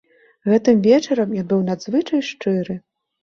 Гэтым вечарам ён быў надзвычай шчыры.